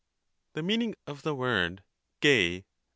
The meaning of the word y?)